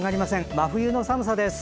真冬の寒さです。